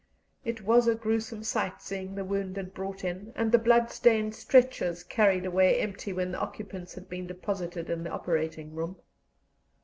It was a gruesome sight seeing the wounded brought in, and the blood stained stretchers carried away empty, when the occupants had been deposited in the operating room.